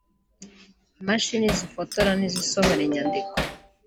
imashini zifotora n’izisohora inyandiko